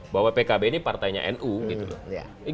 bahwa pkb ini partainya nu gitu loh